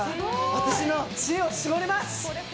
私の知恵を絞ります。